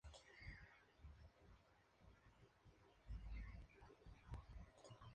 Se caracteriza por una producción de calidad debido a la claridad de sus vidrios.